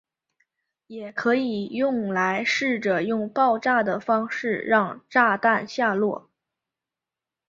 也可以用来试着用爆炸的方式让炸弹下落。